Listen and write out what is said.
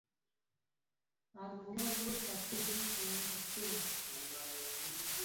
A lɔŋgɛ wɔtaté bushɛŋ di toma.